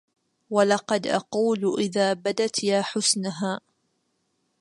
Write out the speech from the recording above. ولقد أقول إذا بدت يا حسنها